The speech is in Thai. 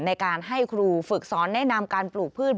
ในการให้ครูฝึกสอนแนะนำการปลูกพืช